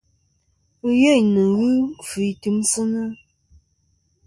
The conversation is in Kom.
Ɨyêyn nɨ̀n ghɨ nkfɨ i timsɨnɨ.